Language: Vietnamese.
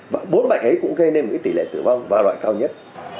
và bốn bệnh ấy cũng gây nên tỷ lệ tử vong và loại cao nhất